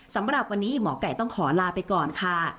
สำหรับวันนี้หมอไก่ต้องขอลาไปก่อนค่ะ